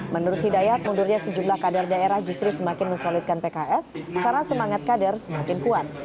menurut hidayat mundurnya sejumlah kader daerah justru semakin mensolidkan pks karena semangat kader semakin kuat